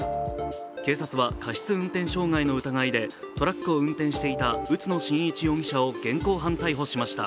警察は過失運転傷害の疑いでトラックを運転していた宇都野晋一容疑者を現行犯逮捕しました。